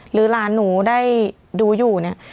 หรือหลานหนูได้ดูอยู่เนี่ย